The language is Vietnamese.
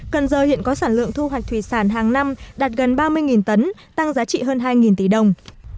cần giờ hiện có sản lượng thu hoạch thủy sản hàng năm đạt gần ba mươi tấn tăng giá trị hơn hai tỷ đồng